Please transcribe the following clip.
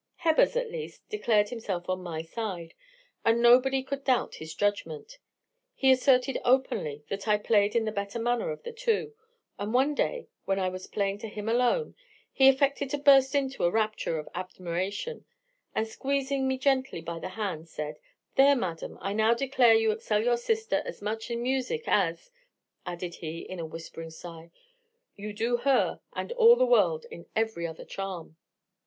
"Hebbers, at least, declared himself on my side, and nobody could doubt his judgment. He asserted openly that I played in the better manner of the two; and one day, when I was playing to him alone, he affected to burst into a rapture of admiration, and, squeezing me gently by the hand, said, There, madam, I now declare you excel your sister as much in music as, added he in a whispering sigh, you do her, and all the world, in every other charm.